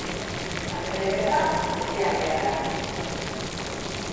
Andre ederra, etxean gerra.